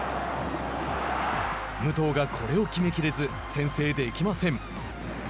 武藤がこれを決めきれず先制できません。